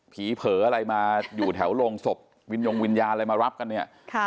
เผลออะไรมาอยู่แถวโรงศพวิญญงวิญญาณอะไรมารับกันเนี่ย